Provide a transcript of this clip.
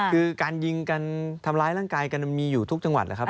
คือการยิงกันทำร้ายร่างกายกันมันมีอยู่ทุกจังหวัดแหละครับ